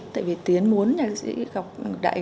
tại vì tiến muốn nhạc sĩ ngọc đại